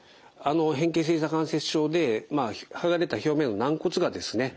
変形性ひざ関節症で剥がれた表面の軟骨がですね